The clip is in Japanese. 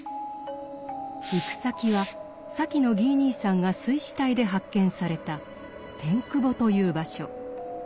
行く先はさきのギー兄さんが水死体で発見されたテン窪という場所。